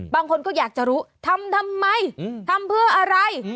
บางคนก็อยากจะรู้ทำทำไมทำเพื่ออะไร